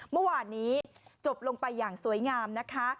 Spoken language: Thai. เมื่อวานนี้จบลงไปอย่างสวยงามนะคะ